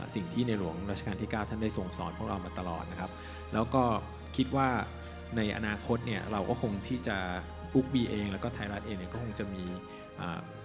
สิ่งที่ในหลวงราชการที่เก้าท่านได้ส่งสอนพวกเรามาตลอดนะครับแล้วก็คิดว่าในอนาคตเนี่ยเราก็คงที่จะกุ๊กบีเองแล้วก็ไทยรัฐเองเนี่ยก็คงจะมีอ่า